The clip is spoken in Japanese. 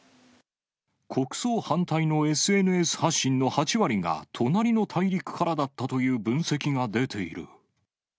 国葬反対のＳＮＳ発信の８割が、隣の大陸からだったという分析が出ている。